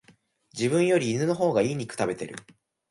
自分より犬の方が良い肉食べてる